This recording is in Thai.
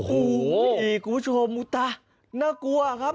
โอ้โหคุณผู้ชมอุ๊ตะน่ากลัวครับ